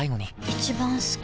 一番好き